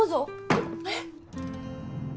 えっ。